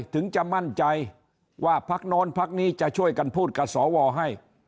ถึงจะมั่นใจว่าพักโน้นพักนี้จะช่วยกันพูดกับสวให้